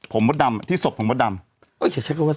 ผมมดดำที่ศพผมมดดำ